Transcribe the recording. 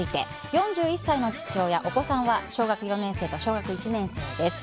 ４１歳の父親お子さんは小学４年生と小学１年生です。